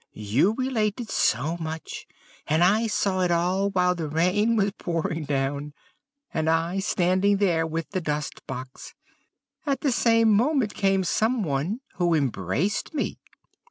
You related so much, and I saw it all the while the rain was pouring down, and I standing there with the dust box. At the same moment came someone who embraced me.'